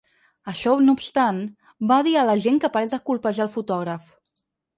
Això no obstant, va dir a l’agent que parés de colpejar el fotògraf.